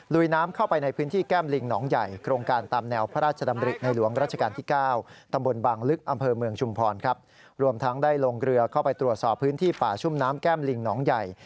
ลุยน้ำเข้าไปในพื้นที่แก้มลิงหนองใหญ่